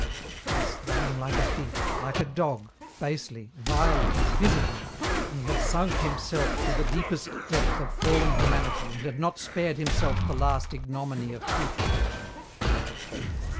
Thus, dying like a thief, like a dog, basely, vilely, physically, He had sunk himself to the deepest depth of fallen humanity and had not spared Himself the last ignominy of putrefaction.